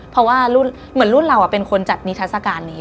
เพราะว่ารุ่นเหมือนรุ่นเราเป็นคนจัดนิทัศกาลนี้